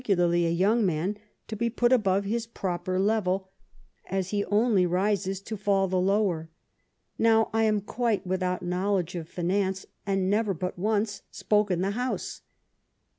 and particnlarly a young man, to be put above his proper leTel, as he only rises to fall the lower. Now, I am quite without knowledge of finance, and never bat once spoke in the House.